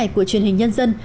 của chuyên hình nhân dân